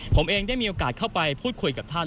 ผมเองได้มีโอกาสเข้าไปพูดคุยกับท่าน